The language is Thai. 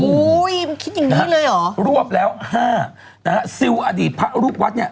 โอ้ยมันคิดอย่างนี้เลยหรอรวบแล้ว๕นะฮะซิลอดีตพระรูปวัดเนี่ย